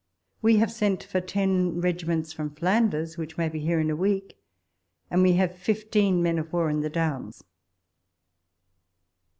We have sent for ten regiments from Flanders, which may be here in a week, and we have fifteen men of war in the Downs.